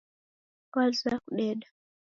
W'azoya kudeda